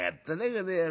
この野郎。